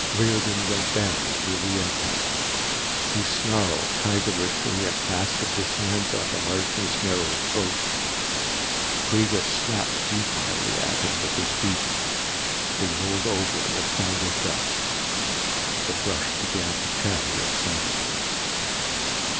Riordan went down under the impact. He snarled, tigerishly, and fastened his hands on the Martian's narrow throat. Kreega snapped futilely at him with his beak. They rolled over in a cloud of dust. The brush began to chatter excitedly.